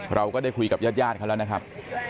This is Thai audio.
เราก็ได้คุยกับญาติเขาแล้วนะครับ